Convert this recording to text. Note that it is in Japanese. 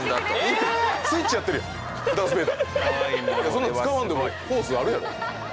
そんなん使わんでもフォースあるやろ。